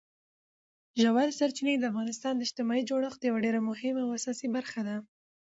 ژورې سرچینې د افغانستان د اجتماعي جوړښت یوه ډېره مهمه او اساسي برخه ده.